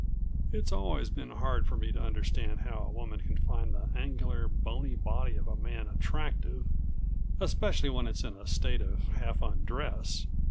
It's always been hard for me to understand how a woman can find the angular, bony body of a man attractive, especially when it's in a state of half undress.